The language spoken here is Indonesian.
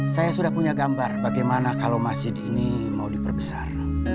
saya sudah punya gambar bagaimana kalau masjid ini mau diperbesar